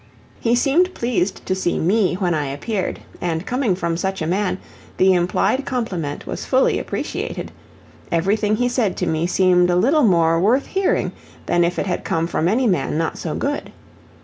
He seemed pleased to see ME when I appeared, and coming from such a man, the implied compliment was fully appreciated; everything he said to me seemed a little more worth hearing than if it had come from any man not so good.